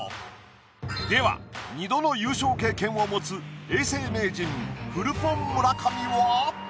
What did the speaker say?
では２度の優勝経験を持つ永世名人フルポン・村上は？